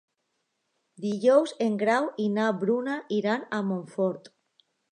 Dijous en Grau i na Bruna iran a Montfort.